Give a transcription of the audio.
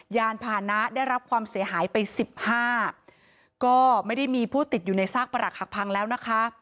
ยานพานะได้รับความเสียหายไปสิบห้าก็ไม่ได้มีผู้ติดอยู่ในซากประหลักหักพังแล้วนะคะ